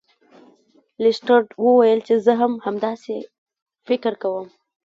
لیسټرډ وویل چې زه هم همداسې فکر کوم.